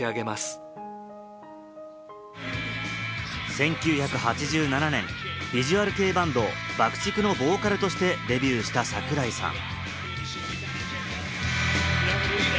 １９８７年、ビジュアル系バンド・ＢＵＣＫ−ＴＩＣＫのボーカルとしてデビューした、櫻井さん。